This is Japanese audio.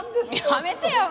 やめてよ